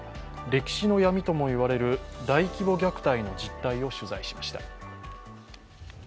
歴史の闇ともいわれる大規模虐待の実態を取材しました。